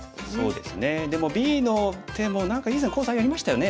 でもＢの手も何か以前講座やりましたよね。